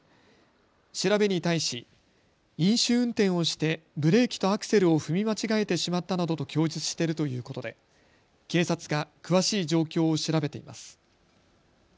調べに対し飲酒運転をしてブレーキとアクセルを踏み間違えてしまったなどと供述しているということで警察が詳しい状況を調べています。